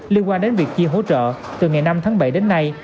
liên quan đến việc chia hỗ trợ từ ngày năm tháng bảy đến nay